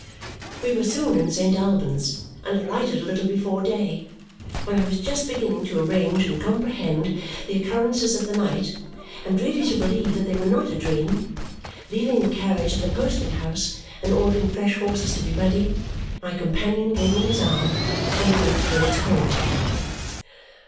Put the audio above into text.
We were soon in Saint Albans and alighted a little before day, when I was just beginning to arrange and comprehend the occurrences of the night and really to believe that they were not a dream. Leaving the carriage at the posting house and ordering fresh horses to be ready, my companion gave me his arm, and we went towards home.